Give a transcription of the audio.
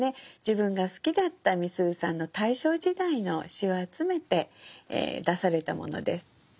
自分が好きだったみすゞさんの大正時代の詩を集めて出されたものです。